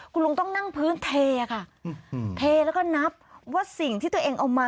คุณลุงต้องนั่งพื้นเทค่ะเทแล้วก็นับว่าสิ่งที่ตัวเองเอามา